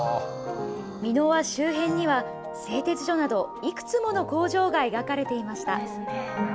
三ノ輪周辺には製鉄所など、いくつもの工場が描かれていました。